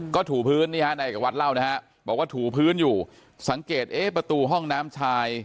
ก็ถูพื้นนี่ฮะนายเอกวัตรเล่านะฮะบอกว่าถูพื้นอยู่สังเกตเอ๊ะประตูห้องน้ำชาย